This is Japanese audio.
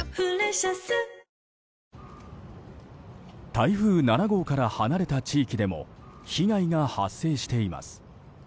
台風７号から離れた地域でも被害が発生しています。